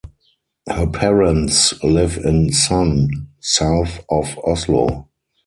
Her parents live in Son, south of Oslo.